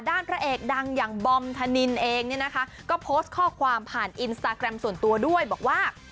พระเอกดังอย่างบอมธนินเองเนี่ยนะคะก็โพสต์ข้อความผ่านอินสตาแกรมส่วนตัวด้วยบอกว่า